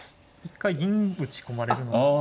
一回銀打ち込まれるので。